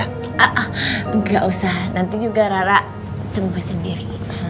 ah ah enggak usah nanti juga rara sembuh sendiri